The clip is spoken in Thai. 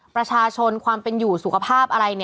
ประชาชนความเป็นอยู่สุขภาพอะไร